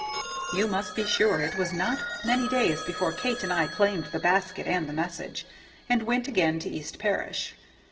You may be sure it was not many days before Kate and I claimed the basket and the message, and went again to East Parish.